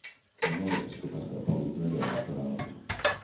Man neliekas, ka tas tev palīdz nedomāt par Anitu.